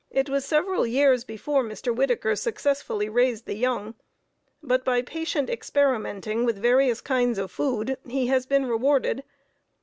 It was several years before Mr. Whittaker successfully raised the young, but, by patient experimenting with various kinds of food, he has been rewarded.